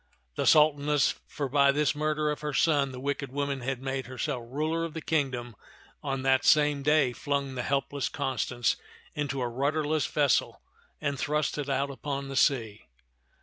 The Sultaness, for by this murder of her son the wicked woman had made herself ruler of the kingdom, on that same day flung the helpless Constance into a rudder less vessel and thrust it out upon the sea.